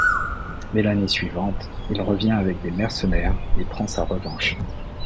Mais l'année suivante, il revient avec des mercenaires et prend sa revanche.